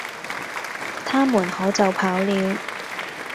他們可就跑了。